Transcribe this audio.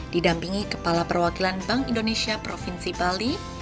didampingi kepala perwakilan bank indonesia provinsi bali